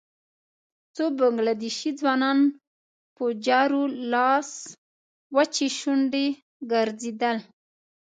څو بنګله دېشي ځوانان په جارو لاس وچې شونډې ګرځېدل.